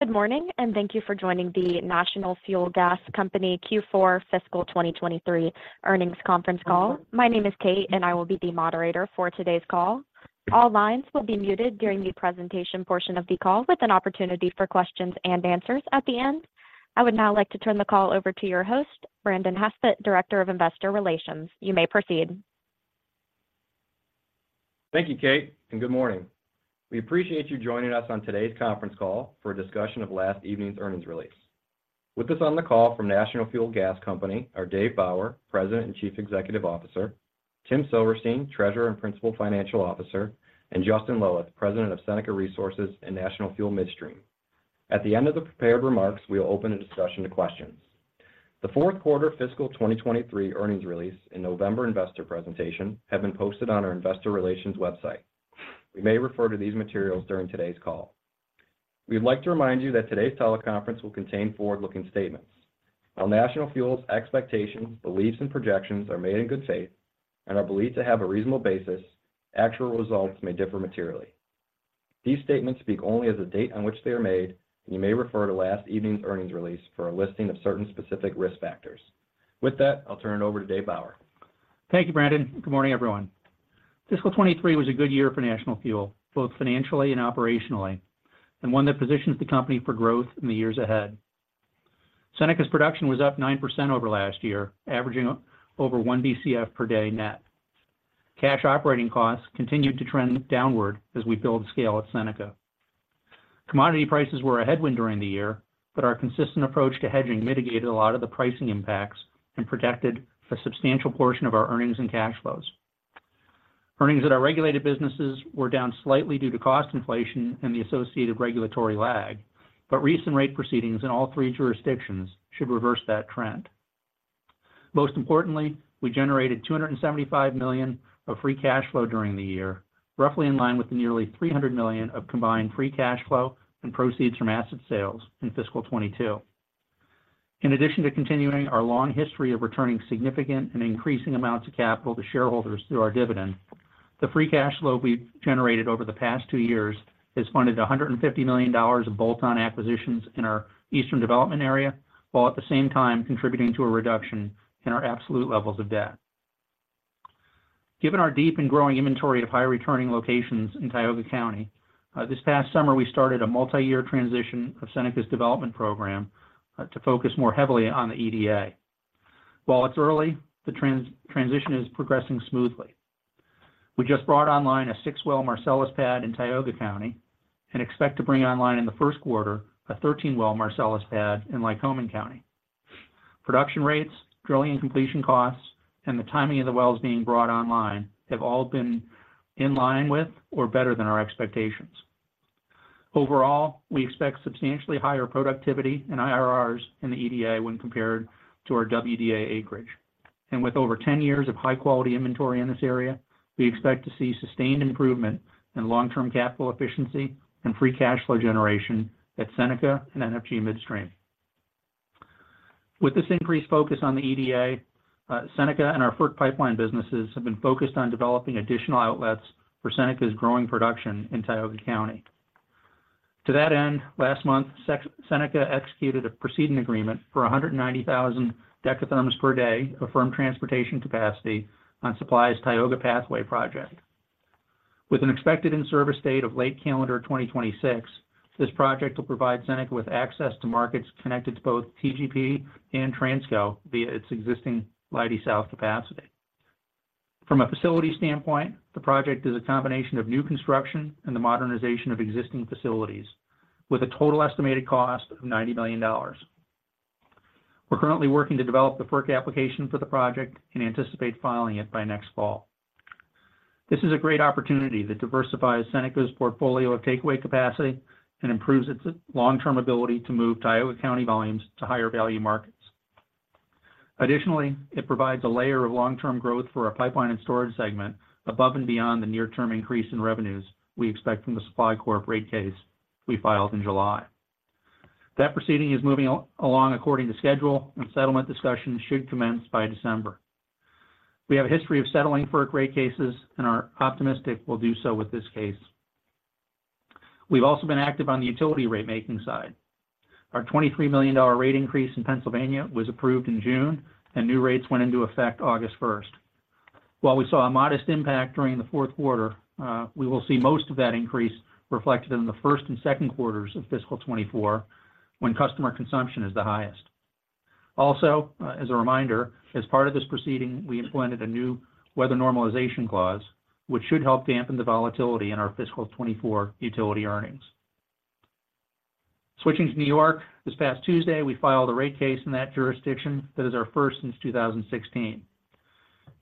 Good morning, and thank you for joining the National Fuel Gas Company Q4 of Fiscal 2023 Earnings Conference Call. My name is Kate, and I will be the moderator for today's call. All lines will be muted during the presentation portion of the call, with an opportunity for questions and answers at the end. I would now like to turn the call over to your host, Brandon Haspett, Director of Investor Relations. You may proceed. Thank you, Kate, and good morning. We appreciate you joining us on today's conference call for a discussion of last evening's earnings release. With us on the call from National Fuel Gas Company are David Bauer, President and Chief Executive Officer, Tim Silverstein, Treasurer and Principal Financial Officer, and Justin Loweth, President of Seneca Resources and National Fuel Midstream. At the end of the prepared remarks, we will open a discussion to questions. The Q4 of fiscal 2023 earnings release and November investor presentation have been posted on our investor relations website. We may refer to these materials during today's call. We'd like to remind you that today's teleconference will contain forward-looking statements. While National Fuel's expectations, beliefs, and projections are made in good faith and are believed to have a reasonable basis, actual results may differ materially. These statements speak only as the date on which they are made, and you may refer to last evening's earnings release for a listing of certain specific risk factors. With that, I'll turn it over to Dave Bauer. Thank you, Brandon. Good morning, everyone. Fiscal 2023 was a good year for National Fuel, both financially and operationally, and one that positions the company for growth in the years ahead. Seneca's production was up 9% over last year, averaging over 1 Bcf per day net. Cash operating costs continued to trend downward as we build scale at Seneca. Commodity prices were a headwind during the year, but our consistent approach to hedging mitigated a lot of the pricing impacts and protected a substantial portion of our earnings and cash flows. Earnings at our regulated businesses were down slightly due to cost inflation and the associated regulatory lag, but recent rate proceedings in all three jurisdictions should reverse that trend. Most importantly, we generated $275 million of free cash flow during the year, roughly in line with the nearly $300 million of combined free cash flow and proceeds from asset sales in fiscal 2022. In addition to continuing our long history of returning significant and increasing amounts of capital to shareholders through our dividend, the free cash flow we've generated over the past two years has funded $150 million of bolt-on acquisitions in our Eastern Development Area, while at the same time contributing to a reduction in our absolute levels of debt. Given our deep and growing inventory of high-returning locations in Tioga County, this past summer, we started a multi-year transition of Seneca's development program to focus more heavily on the EDA. While it's early, the transition is progressing smoothly. We just brought online a 6-well Marcellus pad in Tioga County and expect to bring online in the Q1, a 13-well Marcellus pad in Lycoming County. Production rates, drilling and completion costs, and the timing of the wells being brought online have all been in line with or better than our expectations. Overall, we expect substantially higher productivity and IRRs in the EDA when compared to our WDA acreage. And with over 10 years of high-quality inventory in this area, we expect to see sustained improvement in long-term capital efficiency and free cash flow generation at Seneca and NFG Midstream. With this increased focus on the EDA, Seneca and our FERC pipeline businesses have been focused on developing additional outlets for Seneca's growing production in Tioga County. To that end, last month, Seneca executed a proceeding agreement for 190,000 dekatherms per day of firm transportation capacity on Supply's Tioga Pathway Project. With an expected in-service date of late calendar 2026, this project will provide Seneca with access to markets connected to both TGP and Transco via its existing Leidy South capacity. From a facility standpoint, the project is a combination of new construction and the modernization of existing facilities, with a total estimated cost of $90 million. We're currently working to develop the FERC application for the project and anticipate filing it by next fall. This is a great opportunity that diversifies Seneca's portfolio of takeaway capacity and improves its long-term ability to move Tioga County volumes to higher value markets. Additionally, it provides a layer of long-term growth for our pipeline and storage segment above and beyond the near-term increase in revenues we expect from the Supply Corp rate case we filed in July. That proceeding is moving along according to schedule, and settlement discussions should commence by December. We have a history of settling for rate cases and are optimistic we'll do so with this case. We've also been active on the utility ratemaking side. Our $23 million rate increase in Pennsylvania was approved in June, and new rates went into effect August 1. While we saw a modest impact during the Q4, we will see most of that increase reflected in the Q1 and Q2 of fiscal 2024, when customer consumption is the highest. Also, as a reminder, as part of this proceeding, we implemented a new weather normalization clause, which should help dampen the volatility in our fiscal 2024 utility earnings. Switching to New York, this past Tuesday, we filed a rate case in that jurisdiction. That is our first since 2016.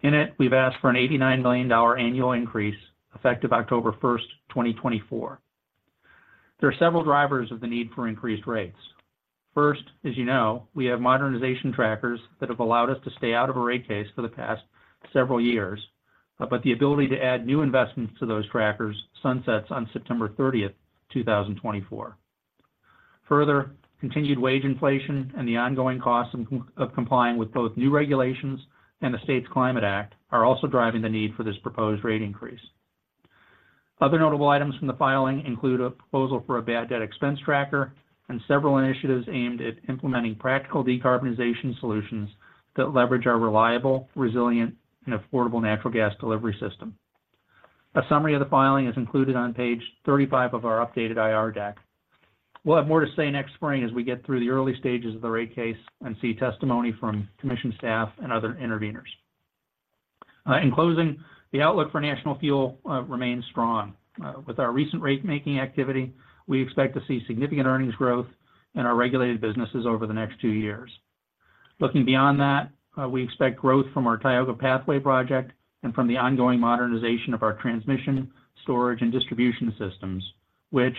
In it, we've asked for a $89 million annual increase, effective October 1, 2024. There are several drivers of the need for increased rates. First, as we have modernization trackers that have allowed us to stay out of a rate case for the past several years, but the ability to add new investments to those trackers sunsets on September 30, 2024. Further, continued wage inflation and the ongoing costs of complying with both new regulations and the State's Climate Act are also driving the need for this proposed rate increase. Other notable items from the filing include a proposal for a bad debt expense tracker and several initiatives aimed at implementing practical decarbonization solutions that leverage our reliable, resilient, and affordable natural gas delivery system. A summary of the filing is included on page 35 of our updated IR deck. We'll have more to say next spring as we get through the early stages of the rate case and see testimony from commission staff and other interveners. In closing, the outlook for National Fuel remains strong. With our recent rate-making activity, we expect to see significant earnings growth in our regulated businesses over the next two years. Looking beyond that, we expect growth from our Tioga Pathway Project and from the ongoing modernization of our transmission, storage, and distribution systems, which,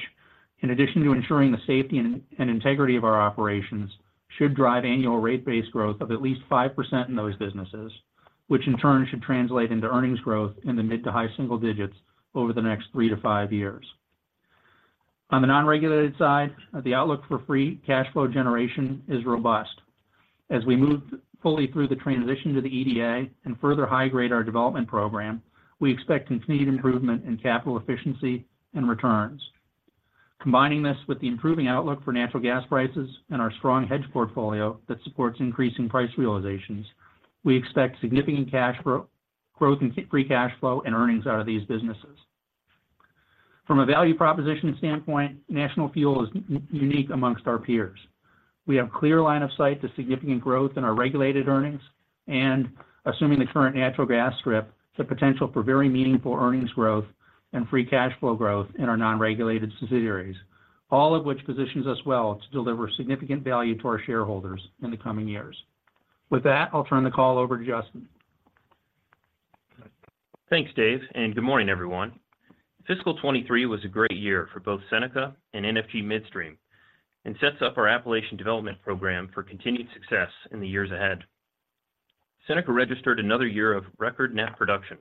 in addition to ensuring the safety and integrity of our operations, should drive annual rate base growth of at least 5% in those businesses, which in turn should translate into earnings growth in the mid- to high-single digits over the next 3-5 years. On the non-regulated side, the outlook for free cash flow generation is robust. As we move fully through the transition to the EDA and further high-grade our development program, we expect continued improvement in capital efficiency and returns. Combining this with the improving outlook for natural gas prices and our strong hedge portfolio that supports increasing price realizations, we expect significant cash growth in free cash flow and earnings out of these businesses. From a value proposition standpoint, National Fuel is unique amongst our peers. We have clear line of sight to significant growth in our regulated earnings, and assuming the current natural gas strip, the potential for very meaningful earnings growth and free cash flow growth in our non-regulated subsidiaries, all of which positions us well to deliver significant value to our shareholders in the coming years. With that, I'll turn the call over to Justin. Thanks, Dave, and good morning, everyone. Fiscal 2023 was a great year for both Seneca and NFG Midstream, and sets up our Appalachian development program for continued success in the years ahead. Seneca registered another year of record net production,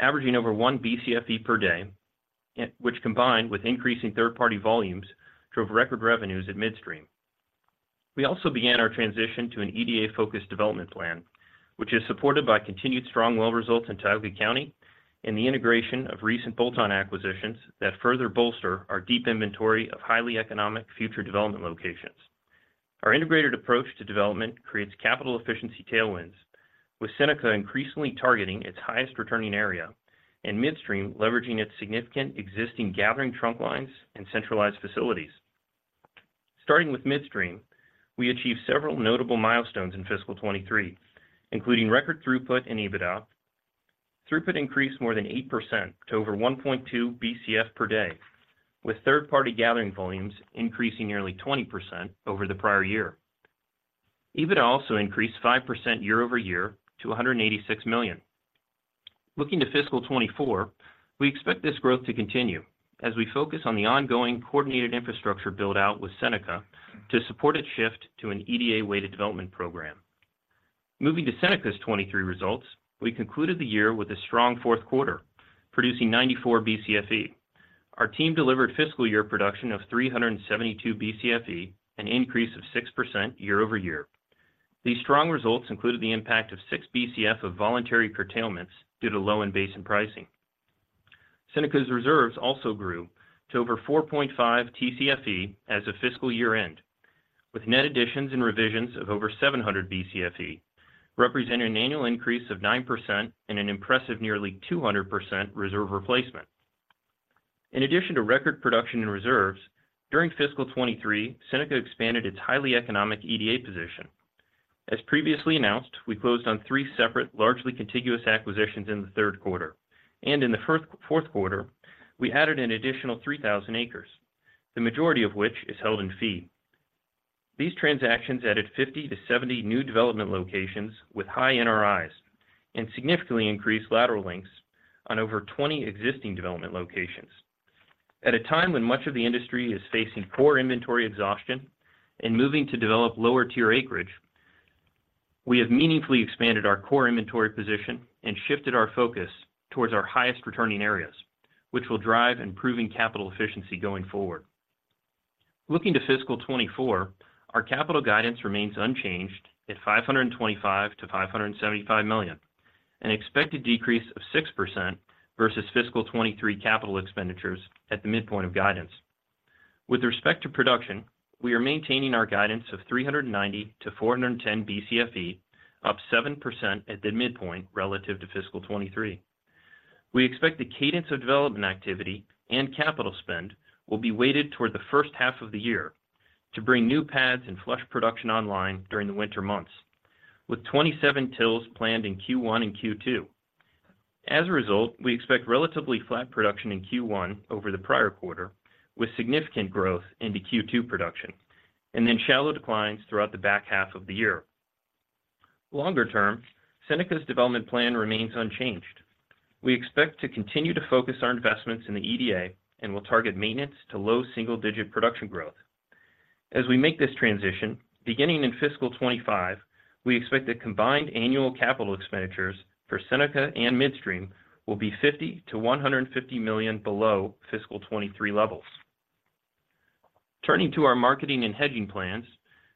averaging over 1 Bcf/d per day, and which, combined with increasing third-party volumes, drove record revenues at Midstream. We also began our transition to an EDA-focused development plan, which is supported by continued strong well results in Tioga County and the integration of recent bolt-on acquisitions that further bolster our deep inventory of highly economic future development locations. Our integrated approach to development creates capital efficiency tailwinds, with Seneca increasingly targeting its highest-returning area, and Midstream leveraging its significant existing gathering trunk lines and centralized facilities. Starting with Midstream, we achieved several notable milestones in fiscal 2023, including record throughput and EBITDA. Throughput increased more than 8% to over 1.2 Bcf per day, with third-party gathering volumes increasing nearly 20% over the prior year. EBITDA also increased 5% year-over-year to $186 million. Looking to fiscal 2024, we expect this growth to continue as we focus on the ongoing coordinated infrastructure build-out with Seneca to support its shift to an EDA-weighted development program. Moving to Seneca's 2023 results, we concluded the year with a strong Q4, producing 94 Bcfe. Our team delivered fiscal year production of 372 Bcf/d, an increase of 6% year-over-year. These strong results included the impact of 6 Bcf of voluntary curtailments due to low and basin pricing. Seneca's reserves also grew to over 4.5 Tcf/d as of fiscal year-end, with net additions and revisions of over 700 Bcf/d, representing an annual increase of 9% and an impressive nearly 200% reserve replacement. In addition to record production and reserves, during fiscal 2023, Seneca expanded its highly economic EDA position. As previously announced, we closed on three separate, largely contiguous acquisitions in the Q3, and in the Q4, we added an additional 3,000 acres, the majority of which is held in fee. These transactions added 50-70 new development locations with high NRIs and significantly increased lateral lengths on over 20 existing development locations. At a time when much of the industry is facing core inventory exhaustion and moving to develop lower-tier acreage, we have meaningfully expanded our core inventory position and shifted our focus towards our highest-returning areas, which will drive improving capital efficiency going forward. Looking to fiscal 2024, our capital guidance remains unchanged at $525-575 million, an expected decrease of 6% versus fiscal 2023 capital expenditures at the midpoint of guidance. With respect to production, we are maintaining our guidance of 390-410 Bcf/d, up 7% at the midpoint relative to fiscal 2023. We expect the cadence of development activity and capital spend will be weighted toward the H1 of the year to bring new pads and flush production online during the winter months, with 27 wells planned in Q1 and Q2. As a result, we expect relatively flat production in Q1 over the prior quarter, with significant growth into Q2 production, and then shallow declines throughout the back half of the year. Longer term, Seneca's development plan remains unchanged. We expect to continue to focus our investments in the EDA and will target maintenance to low double-digit production growth. As we make this transition, beginning in fiscal 2025, we expect that combined annual capital expenditures for Seneca and Midstream will be $50-150 million below fiscal 2023 levels. Turning to our marketing and hedging plans,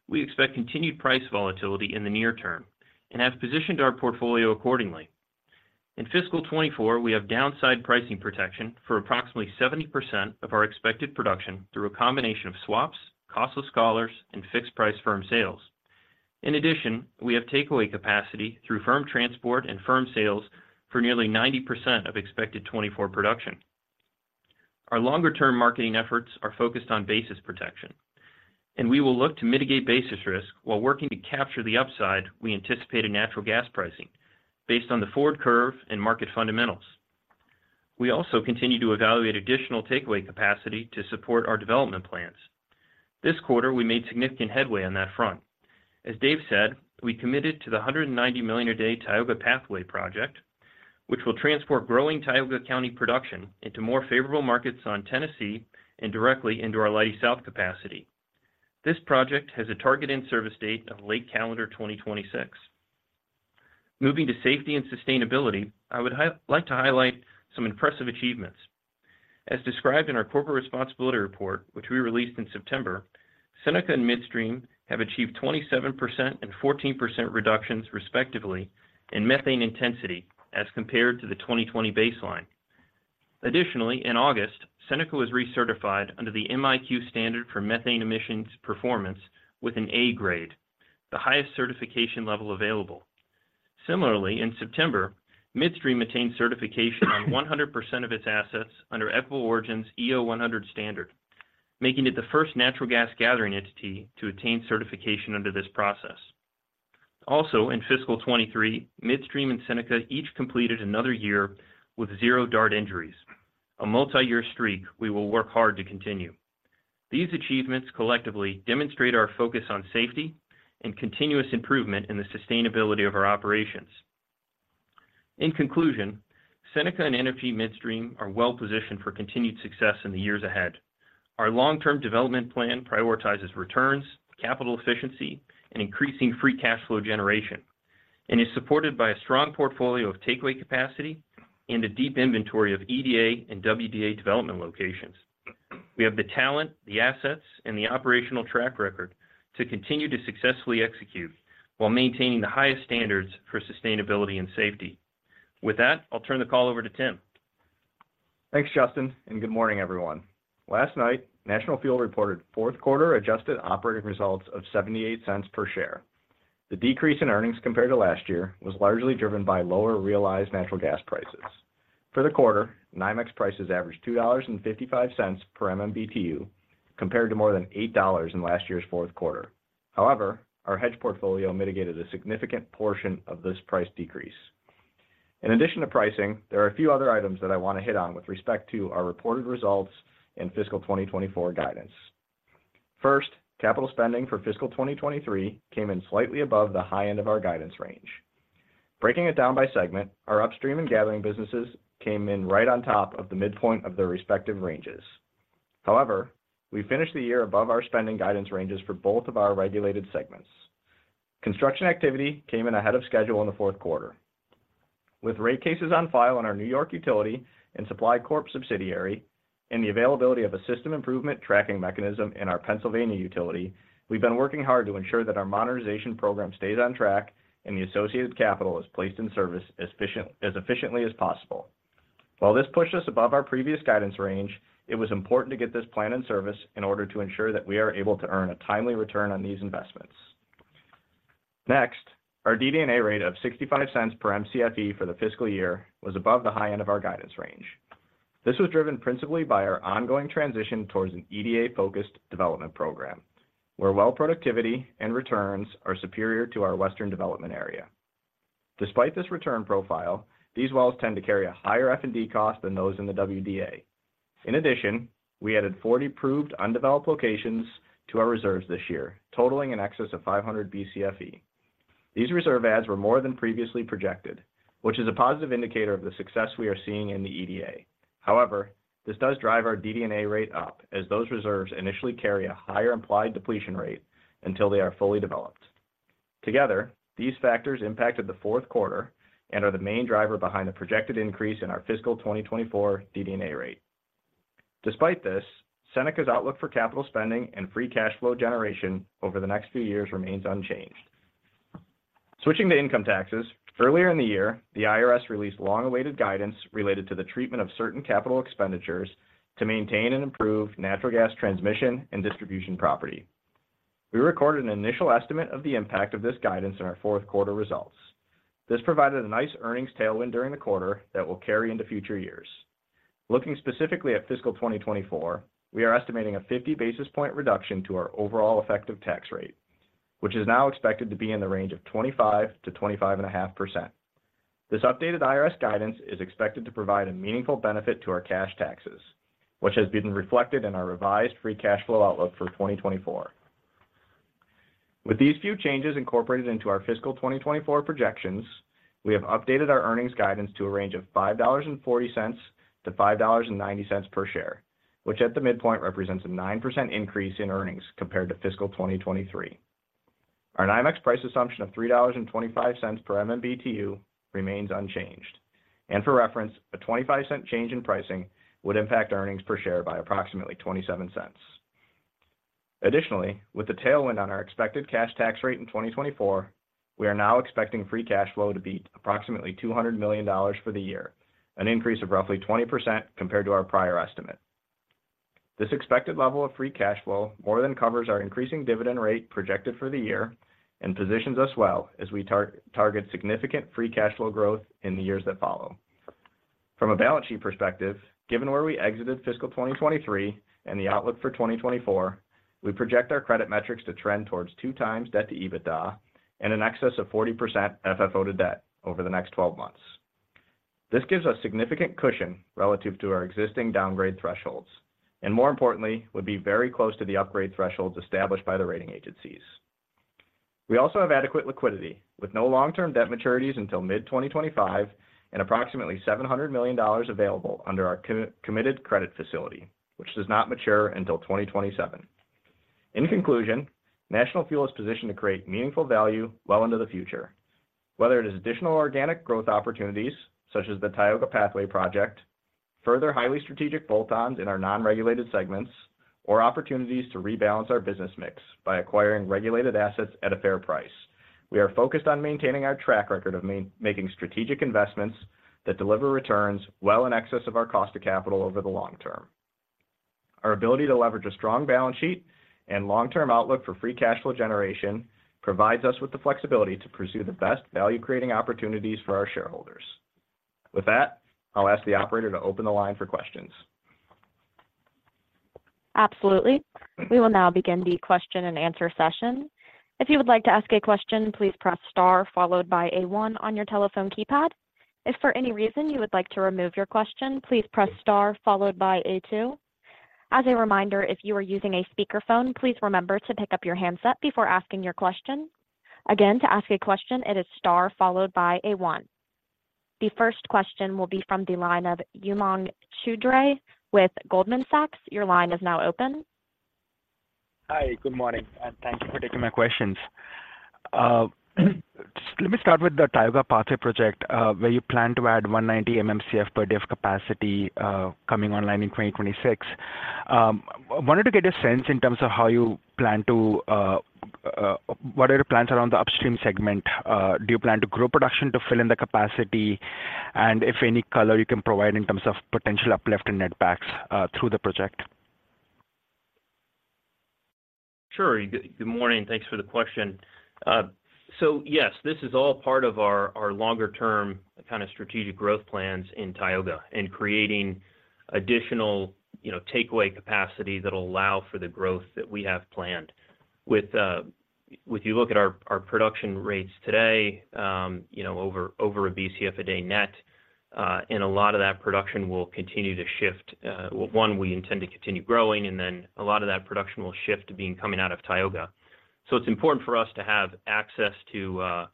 we expect continued price volatility in the near term and have positioned our portfolio accordingly. In fiscal 2024, we have downside pricing protection for approximately 70% of our expected production through a combination of swaps, costless collars, and fixed-price firm sales. In addition, we have takeaway capacity through firm transport and firm sales for nearly 90% of expected 2024 production. Our longer-term marketing efforts are focused on basis protection, and we will look to mitigate basis risk while working to capture the upside we anticipate in natural gas pricing, based on the forward curve and market fundamentals. We also continue to evaluate additional takeaway capacity to support our development plans. This quarter, we made significant headway on that front. As Dave said, we committed to the 190 million a day Tioga Pathway Project, which will transport growing Tioga County production into more favorable markets on Tennessee and directly into our Leidy South capacity. This project has a target in-service date of late calendar 2026. Moving to safety and sustainability, I would like to highlight some impressive achievements. As described in our corporate responsibility report, which we released in September, Seneca and Midstream have achieved 27% and 14% reductions, respectively, in methane intensity as compared to the 2020 baseline. Additionally, in August, Seneca was recertified under the MiQ standard for methane emissions performance with an A grade, the highest certification level available. Similarly, in September, Midstream attained certification on 100% of its assets under Equitable Origin's EO100 standard, making it the first natural gas gathering entity to attain certification under this process. Also, in fiscal 2023, Midstream and Seneca each completed another year with 0 DART injuries, a multi-year streak we will work hard to continue. These achievements collectively demonstrate our focus on safety and continuous improvement in the sustainability of our operations. In conclusion, Seneca and NFG Midstream are well positioned for continued success in the years ahead. Our long-term development plan prioritizes returns, capital efficiency, and increasing free cash flow generation, and is supported by a strong portfolio of takeaway capacity and a deep inventory of EDA and WDA development locations. We have the talent, the assets, and the operational track record to continue to successfully execute while maintaining the highest standards for sustainability and safety. With that, I'll turn the call over to Tim. Thanks, Justin, and good morning, everyone. Last night, National Fuel reported Q4 adjusted operating results of $0.78 per share. The decrease in earnings compared to last year was largely driven by lower realized natural gas prices. For the quarter, NYMEX prices averaged $2.55 per MMBtu, compared to more than $8 in last year's Q4. However, our hedge portfolio mitigated a significant portion of this price decrease. In addition to pricing, there are a few other items that I want to hit on with respect to our reported results and fiscal 2023 guidance. First, capital spending for fiscal 2023 came in slightly above the high end of our guidance range. Breaking it down by segment, our upstream and gathering businesses came in right on top of the midpoint of their respective ranges. However, we finished the year above our spending guidance ranges for both of our regulated segments. Construction activity came in ahead of schedule in the Q4. With rate cases on file in our New York utility and Supply Corp subsidiary, and the availability of a system improvement tracking mechanism in our Pennsylvania utility, we've been working hard to ensure that our modernization program stays on track and the associated capital is placed in service as efficient, as efficiently as possible. While this pushed us above our previous guidance range, it was important to get this plan in service in order to ensure that we are able to earn a timely return on these investments. Next, our DD&A rate of $0.65 per MCFE for the fiscal year was above the high end of our guidance range. This was driven principally by our ongoing transition towards an EDA-focused development program, where well productivity and returns are superior to our Western Development Area. Despite this return profile, these wells tend to carry a higher F&D cost than those in the WDA. In addition, we added 40 proved undeveloped locations to our reserves this year, totaling in excess of 500 Bcf/d. These reserve adds were more than previously projected, which is a positive indicator of the success we are seeing in the EDA. However, this does drive our DD&A rate up, as those reserves initially carry a higher implied depletion rate until they are fully developed. Together, these factors impacted the Q4 and are the main driver behind the projected increase in our fiscal 2024 DD&A rate. Despite this, Seneca's outlook for capital spending and free cash flow generation over the next few years remains unchanged. Switching to income taxes, earlier in the year, the IRS released long-awaited guidance related to the treatment of certain capital expenditures to maintain and improve natural gas transmission and distribution property. We recorded an initial estimate of the impact of this guidance in our Q4 results. This provided a nice earnings tailwind during the quarter that will carry into future years. Looking specifically at fiscal 2024, we are estimating a 50 basis points reduction to our overall effective tax rate, which is now expected to be in the range of 25%-25.5%. This updated IRS guidance is expected to provide a meaningful benefit to our cash taxes, which has been reflected in our revised free cash flow outlook for 2024. With these few changes incorporated into our fiscal 2024 projections, we have updated our earnings guidance to a range of $5.40-$5.90 per share, which at the midpoint represents a 9% increase in earnings compared to fiscal 2023. ... Our NYMEX price assumption of $3.25 per MMBtu remains unchanged. For reference, a 0.25 change in pricing would impact earnings per share by approximately $0.27. Additionally, with the tailwind on our expected cash tax rate in 2024, we are now expecting free cash flow to be at approximately $200 million for the year, an increase of roughly 20% compared to our prior estimate. This expected level of free cash flow more than covers our increasing dividend rate projected for the year and positions us well as we target significant free cash flow growth in the years that follow. From a balance sheet perspective, given where we exited fiscal 2023 and the outlook for 2024, we project our credit metrics to trend towards 2x debt to EBITDA and in excess of 40% FFO to debt over the next 12 months. This gives us significant cushion relative to our existing downgrade thresholds, and more importantly, would be very close to the upgrade thresholds established by the rating agencies. We also have adequate liquidity, with no long-term debt maturities until mid-2025 and approximately $700 million available under our committed credit facility, which does not mature until 2027. In conclusion, National Fuel is positioned to create meaningful value well into the future, whether it is additional organic growth opportunities, such as the Tioga Pathway Project, further highly strategic bolt-ons in our non-regulated segments, or opportunities to rebalance our business mix by acquiring regulated assets at a fair price. We are focused on maintaining our track record of making strategic investments that deliver returns well in excess of our cost of capital over the long term. Our ability to leverage a strong balance sheet and long-term outlook for free cash flow generation provides us with the flexibility to pursue the best value-creating opportunities for our shareholders. With that, I'll ask the operator to open the line for questions. Absolutely. We will now begin the question and answer session. If you would like to ask a question, please press star followed by a one on your telephone keypad. If for any reason you would like to remove your question, please press star followed by a two. As a reminder, if you are using a speakerphone, please remember to pick up your handset before asking your question. Again, to ask a question, it is star followed by a one. The first question will be from the line of Umang Choudhary with Goldman Sachs. Your line is now open. Hi, good morning, and thank you for taking my questions. Just let me start with the Tioga Pathway project, where you plan to add 190 MMcf per day of capacity, coming online in 2026. Wanted to get a sense in terms of how you plan to, what are your plans around the upstream segment? Do you plan to grow production to fill in the capacity? And if any color you can provide in terms of potential uplift in net backs, through the project. Sure. Good, good morning. Thanks for the question. So yes, this is all part of our, our longer-term kind of strategic growth plans in Tioga and creating additional takeaway capacity that will allow for the growth that we have planned. With, if you look at our, our production rates today over one Bcf a day net, and a lot of that production will continue to shift. One, we intend to continue growing, and then a lot of that production will shift to being coming out of Tioga. So it's important for us to have access to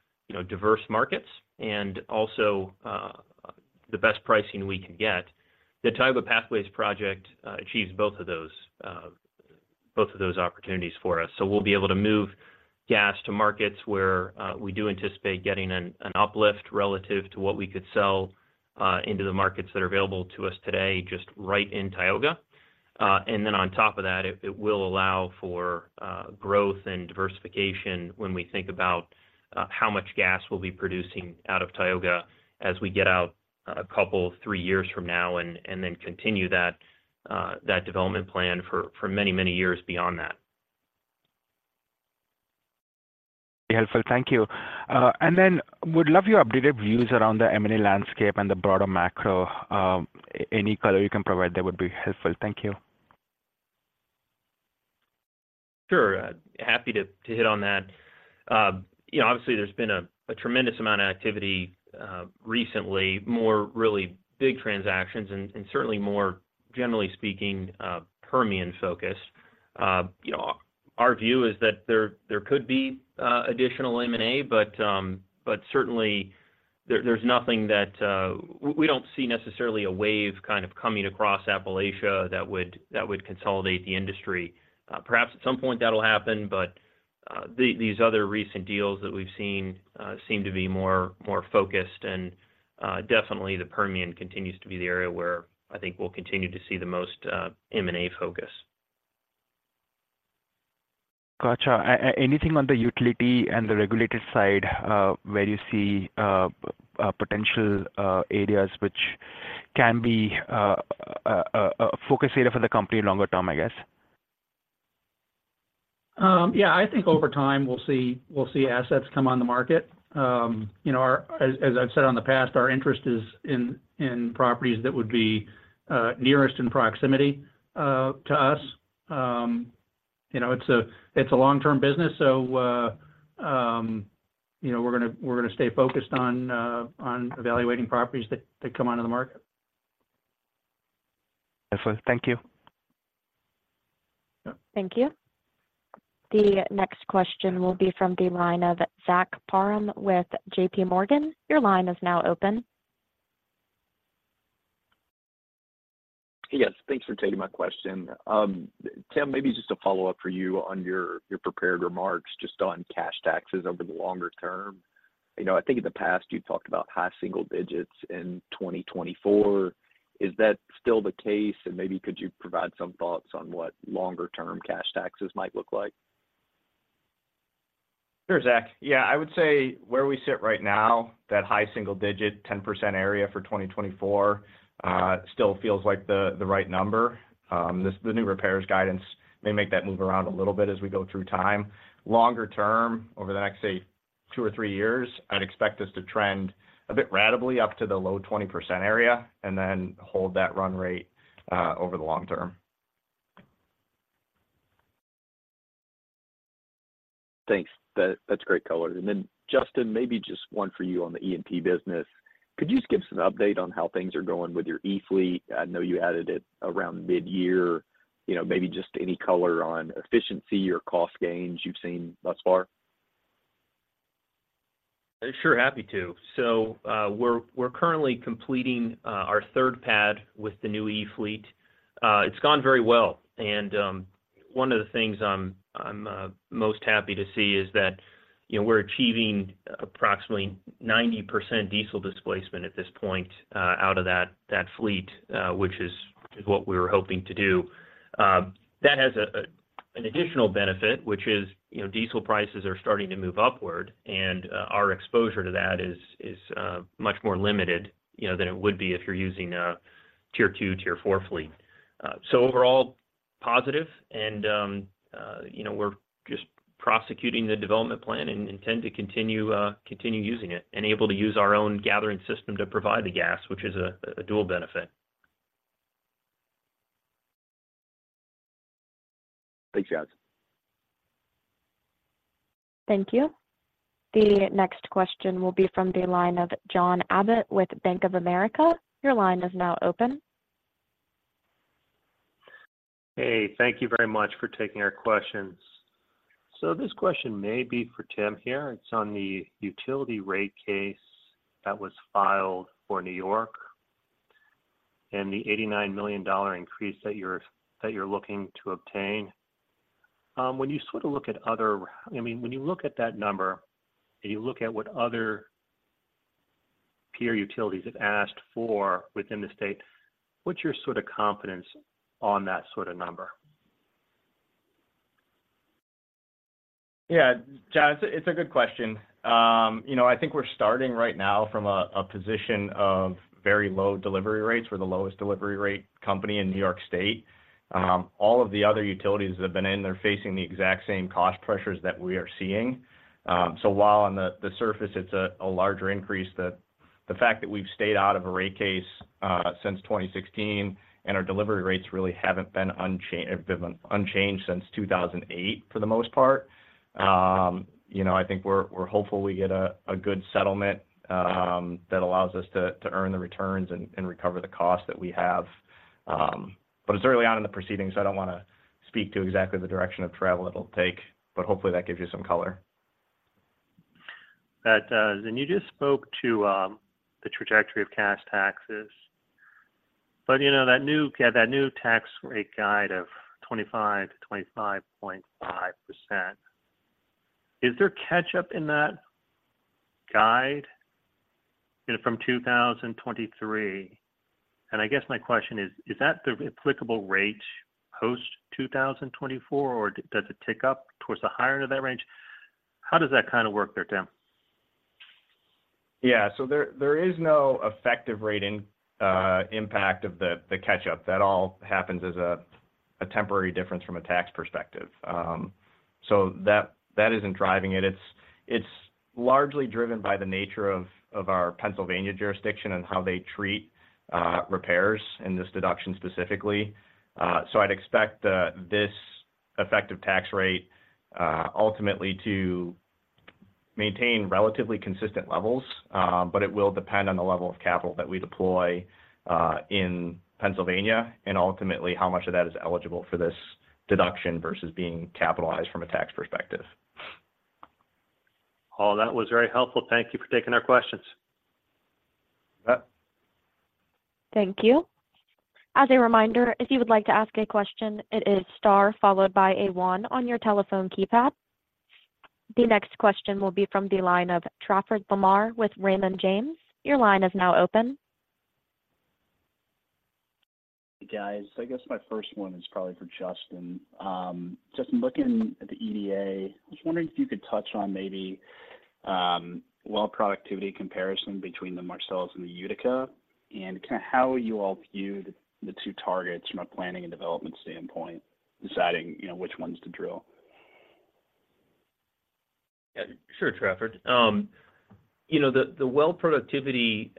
diverse markets and also, the best pricing we can get. The Tioga Pathway Project achieves both of those, both of those opportunities for us. So we'll be able to move gas to markets where we do anticipate getting an uplift relative to what we could sell into the markets that are available to us today, just right in Tioga. And then on top of that, it will allow for growth and diversification when we think about how much gas we'll be producing out of Tioga as we get out a couple, three years from now and then continue that development plan for many, many years beyond that. Helpful, thank you. And then would love your updated views around the M&A landscape and the broader macro. Any color you can provide there would be helpful. Thank you. Sure. Happy to hit on that obviously there's been a tremendous amount of activity recently, more really big transactions and certainly more generally speaking, Permian-focused. Our view is that there could be additional M&A, but certainly there's nothing that we don't see necessarily a wave kind of coming across Appalachia that would consolidate the industry. Perhaps at some point that'll happen, but these other recent deals that we've seen seem to be more focused. And definitely the Permian continues to be the area where I think we'll continue to see the most M&A focus. Gotcha. Anything on the utility and the regulated side, where you see potential areas which can be a focus area for the company longer term. I think over time we'll see, we'll see assets come on the market as I've said in the past, our interest is in, in properties that would be nearest in proximity to us. It's a, it's a long-term business, so, we're gonna stay focused on, on evaluating properties that come onto the market. Excellent. Thank you. Thank you. The next question will be from the line of Zach Parham with JPMorgan. Your line is now open. Yes, thanks for taking my question. Tim, maybe just a follow-up for you on your prepared remarks, just on cash taxes over the longer term. I think in the past, you've talked about high single digits in 2024. Is that still the case? And maybe could you provide some thoughts on what longer-term cash taxes might look like? Sure, Zach. Yeah, I would say where we sit right now, that high single digit, 10% area for 2024, still feels like the, the right number. This the new repairs guidance may make that move around a little bit as we go through time. Longer term, over the next, say, 2 or 3 years, I'd expect this to trend a bit ratably up to the low 20% area and then hold that run rate, over the long term. Thanks. That's great color. And then, Justin, maybe just one for you on the E&P business. Could you just give us an update on how things are going with your E fleet? I know you added it around midyear maybe just any color on efficiency or cost gains you've seen thus far. Sure, happy to. So, we're currently completing our third pad with the new E fleet. It's gone very well, and one of the things I'm most happy to see is that we're achieving approximately 90% diesel displacement at this point out of that fleet, which is what we were hoping to do. That has an additional benefit, which is diesel prices are starting to move upward, and our exposure to that is much more limited than it would be if you're using a Tier Two, Tier Four fleet. So overall, positive and we're just prosecuting the development plan and intend to continue using it and able to use our own gathering system to provide the gas, which is a dual benefit. Thanks, guys. Thank you. The next question will be from the line of John Abbott with Bank of America. Your line is now open. Hey, thank you very much for taking our questions. So this question may be for Tim here. It's on the utility rate case that was filed for New York and the $89 million increase that you're looking to obtain. When you sort of look at other when you look at that number, and you look at what other peer utilities have asked for within the state, what's your sort of confidence on that sort of number? Yeah, John, it's a good question. I think we're starting right now from a position of very low delivery rates. We're the lowest delivery rate company in New York State. All of the other utilities that have been in there facing the exact same cost pressures that we are seeing. So while on the surface it's a larger increase, the fact that we've stayed out of a rate case since 2016, and our delivery rates really have been unchanged since 2008, for the most part. I think we're hopeful we get a good settlement that allows us to earn the returns and recover the costs that we have. But it's early on in the proceedings, so I don't want to speak to exactly the direction of travel it'll take, but hopefully, that gives you some color. That does. And you just spoke to the trajectory of cash taxes, but that new tax rate guide of 25%-25.5%, is there catch-up in that guide from 2023? And my question is, is that the applicable rate post 2024, or does it tick up towards the higher end of that range? How does that kind of work there, Tim? There is no effective rate impact of the catch-up. That all happens as a temporary difference from a tax perspective. So that isn't driving it. It's largely driven by the nature of our Pennsylvania jurisdiction and how they treat repairs in this deduction specifically. So I'd expect this effective tax rate ultimately to maintain relatively consistent levels, but it will depend on the level of capital that we deploy in Pennsylvania, and ultimately, how much of that is eligible for this deduction versus being capitalized from a tax perspective. Oh, that was very helpful. Thank you for taking our questions. You bet. Thank you. As a reminder, if you would like to ask a question, it is star followed by a one on your telephone keypad. The next question will be from the line of Trafford Lamar with Raymond James. Your line is now open. Guys, my first one is probably for Justin. Justin, looking at the EDA, I was wondering if you could touch on maybe well productivity comparison between the Marcellus and the Utica, and kind of how you all view the two targets from a planning and development standpoint, deciding which ones to drill. Sure, Trafford, the well productivity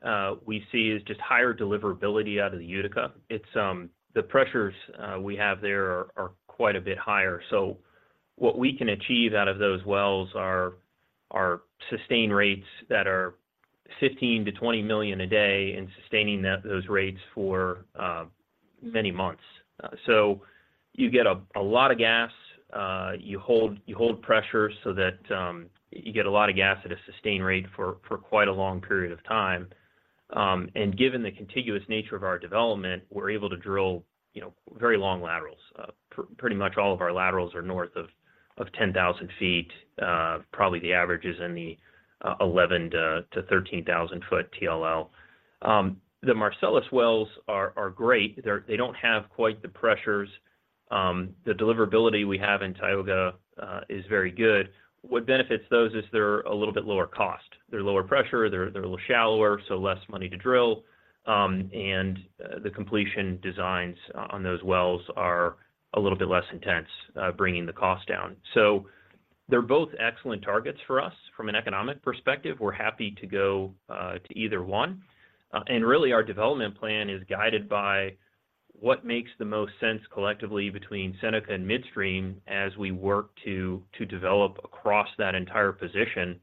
we see is just higher deliverability out of the Utica. It's the pressures we have there are quite a bit higher. So what we can achieve out of those wells are sustained rates that are 15-20 million a day and sustaining those rates for many months. You get a lot of gas, you hold pressure so that you get a lot of gas at a sustained rate for quite a long period of time. And given the contiguous nature of our development, we're able to drill very long laterals. Pretty much all of our laterals are north of 10,000 feet. Probably the average is in the 11,000-13,000-foot TLL. The Marcellus wells are great. They don't have quite the pressures. The deliverability we have in Tioga is very good. What benefits those is they're a little bit lower cost. They're lower pressure, they're a little shallower, so less money to drill, and the completion designs on those wells are a little bit less intense, bringing the cost down. So they're both excellent targets for us. From an economic perspective, we're happy to go to either one. And really, our development plan is guided by what makes the most sense collectively between Seneca and Midstream as we work to develop across that entire position,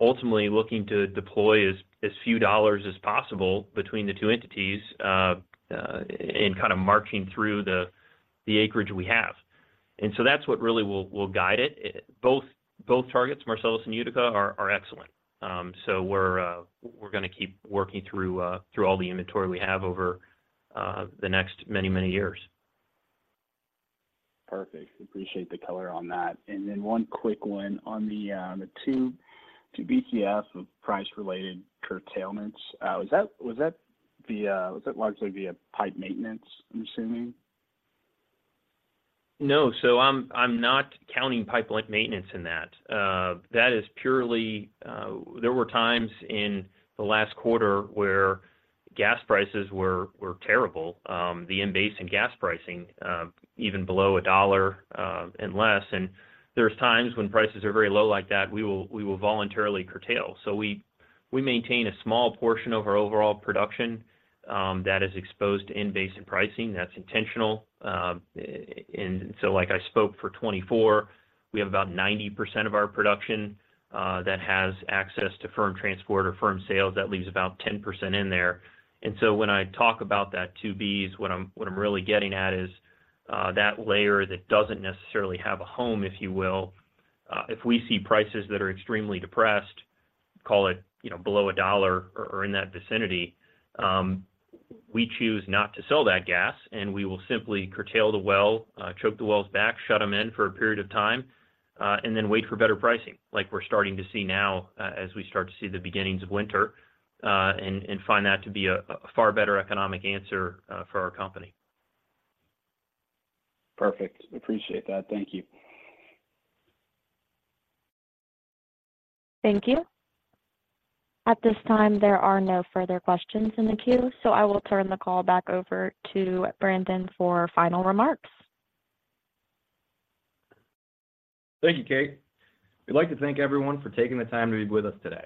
ultimately looking to deploy as few dollars as possible between the two entities, in kind of marching through the acreage we have. And so that's what really will guide it. It. Both targets, Marcellus and Utica, are excellent. So we're gonna keep working through all the inventory we have over the next many years. Perfect. Appreciate the color on that. And then one quick one on the, on the 2, 2 Bcf of price-related curtailments. Was that the largely via pipe maintenance, I'm assuming? No. So I'm not counting pipe maintenance in that. That is purely. There were times in the last quarter where gas prices were terrible, the in-basin gas pricing even below $1 and less. And there are times when prices are very low like that, we will voluntarily curtail. So we maintain a small portion of our overall production that is exposed to in-basin pricing. That's intentional. And so like I spoke for 2024, we have about 90% of our production that has access to firm transport or firm sales. That leaves about 10% in there. And so when I talk about that 2 Bcf, what I'm really getting at is that layer that doesn't necessarily have a home, if you will. If we see prices that are extremely depressed, call it below $1 or in that vicinity, we choose not to sell that gas, and we will simply curtail the well, choke the wells back, shut them in for a period of time, and then wait for better pricing, like we're starting to see now as we start to see the beginnings of winter, and find that to be a far better economic answer for our company. Perfect. Appreciate that. Thank you. Thank you. At this time, there are no further questions in the queue, so I will turn the call back over to Brandon for final remarks. Thank you, Kate. We'd like to thank everyone for taking the time to be with us today.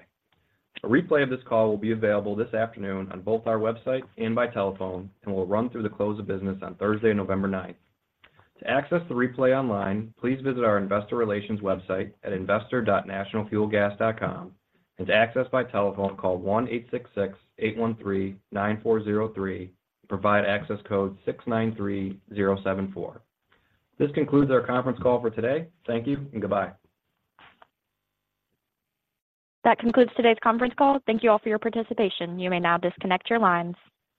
A replay of this call will be available this afternoon on both our website and by telephone, and will run through the close of business on Thursday, November 9. To access the replay online, please visit our investor relations website at investor.nationalfuelgas.com, and to access by telephone, call +1 866-813-9403, provide access code 693074. This concludes our conference call for today. Thank you and goodbye. That concludes today's conference call. Thank you all for your participation. You may now disconnect your lines.